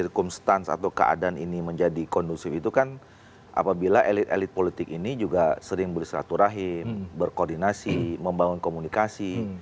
nah kalau kita menjelaskan cirkumstans atau keadaan ini menjadi kondusif itu kan apabila elit elit politik ini juga sering bersilaturahim berkoordinasi membangun komunikasi